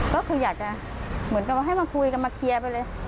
ก็คืออยากจะเหมือนกับว่าให้มาคุยกันมาเคลียร์ไปเลย